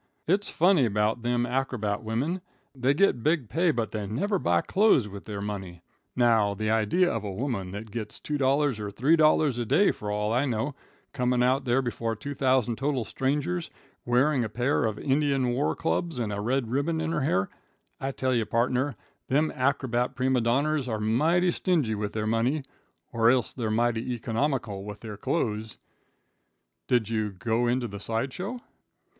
It's funny about them acrobat wimmen. They get big pay, but they never buy cloze with their money. Now, the idea of a woman that gets $2 or $3 a day, for all I know, coming out there before 2,000 total strangers, wearing a pair of Indian war clubs and a red ribbon in her hair. I tell you, pardner, them acrobat prima donnars are mighty stingy with their money, or else they're mighty economical with their cloze." "Did you go into the side show?"